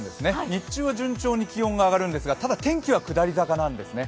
日中は順調に気温は上がるんですが、ただ天気は下り坂なんですね。